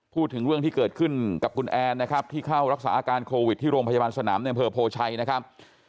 พูดถึงเรื่องที่เกิดขึ้นกับคุณแอนนะครับที่เข้ารักษาอาการโควิดที่โรงพยาบาลสนามในอำเภอโพชัยนะครับ